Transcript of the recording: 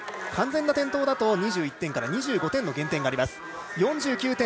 完全な転倒だと２１点から２５点の減点があります。